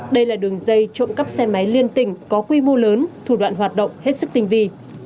đây là đường dây trộm cắp xe máy liên tình có quy mô lớn thủ đoạn hoạt động hết sức tinh vi